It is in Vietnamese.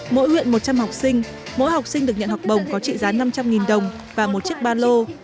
mỗi huyện một trăm linh học sinh mỗi học sinh được nhận học bổng có trị giá năm trăm linh đồng và một chiếc ba lô